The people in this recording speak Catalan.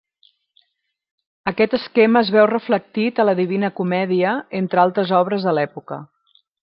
Aquest esquema es veu reflectit a la Divina Comèdia, entre altres obres de l'època.